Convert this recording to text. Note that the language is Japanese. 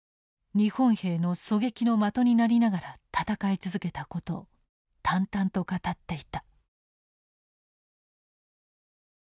日本兵の狙撃の的になりながら戦い続けたことを淡々と語っていた。